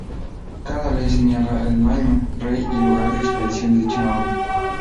Cada ley señala el año, rey y lugar de expedición de dicha norma.